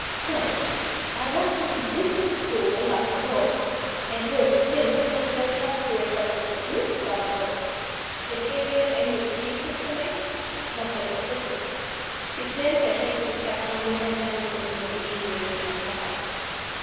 So! I was to be whistled for like a dog! And, worse still, there was no help for it but to submit like a dog. Had Ariel any excuses to make? Nothing of the sort. She turned her shapeless back on me and vanished into the kitchen region of the house.